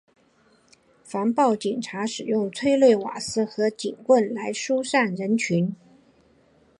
防暴警察使用催泪瓦斯和警棍来疏散人群。